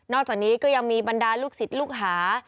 จากนี้ก็ยังมีบรรดาลูกศิษย์ลูกหา